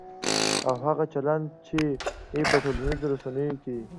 او هغه چلند چې په ټولنیزو رسنیو کې